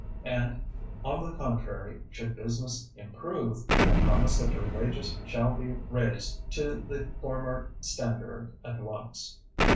And, on the contrary, should business improve, I promise that your wages shall be raise to the former standard at once."